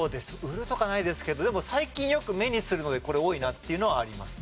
売るとかないですけどでも最近よく目にするのでこれ多いなっていうのはあります。